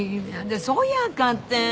そやかて